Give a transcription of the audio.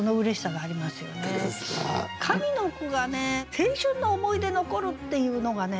上の句がね「青春の思い出残る」っていうのがね